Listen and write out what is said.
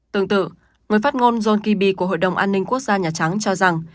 tương tự người phát ngôn john kiby của hội đồng an ninh quốc gia nhà trắng cho rằng